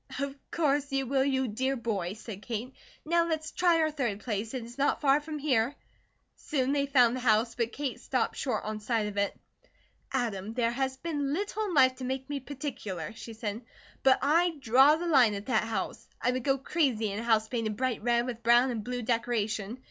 "Of course you will, you dear boy," said Kate. "Now let's try our third place; it is not far from here." Soon they found the house, but Kate stopped short on sight of it. "Adam, there has been little in life to make me particular," she said, "but I draw the line at that house. I would go crazy in a house painted bright red with brown and blue decoration.